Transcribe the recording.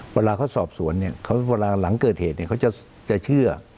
เวลาเขาสอบสวนเนี่ยเวลาหลังเกิดเหตุเขาจะเชื่อ